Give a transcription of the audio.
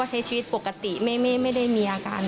และก็มีการกินยาละลายริ่มเลือดแล้วก็ยาละลายขายมันมาเลยตลอดครับ